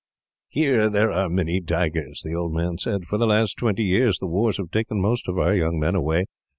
"Here there are many tigers," the old man said. "For the last twenty years, the wars have taken most of our young men away.